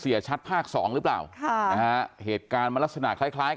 เชียร์ชัดภาคสองถึงหรือเปล่านะครับเหตุการณ์มันลักษณะคล้าย